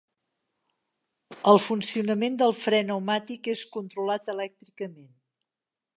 El funcionament del fre pneumàtic és controlat elèctricament.